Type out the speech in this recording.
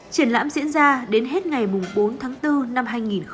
triển lãm diễn ra đến hết ngày bốn tháng bốn năm hai nghìn một mươi chín